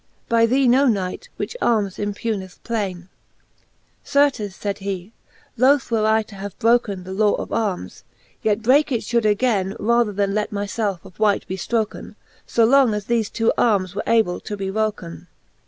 By thee no knight; which armes impugneth plaine? Certes, faid he, loth were I to have broken The law of armes; yet breake it fhould againe, Rather them let myfelfe of wight be ftroken, So long as thefe two armes were able to be wroken, VIII.